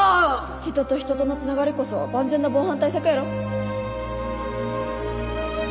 人と人とのつながりこそ万全な防犯対策やろ？